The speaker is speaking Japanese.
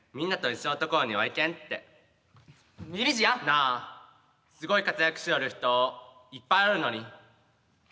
なあすごい活躍しよる人いっぱいおるのに何で僕は。